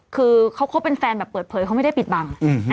คือเขาคบเป็นแฟนแบบเปิดเผยเขาไม่ได้ปิดบัง